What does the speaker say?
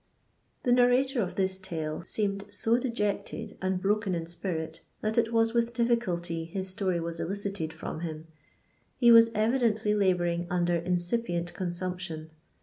The narrator of this tde seemed so dejected and broken in spirit, that it was with difficulty his story was elicited from him. He was evi dently labouring under incipient consumption.